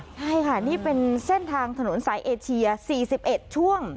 ใช่ค่ะนี่เป็นเส้นทางถนนสายเอเชีย๔๑ช่วง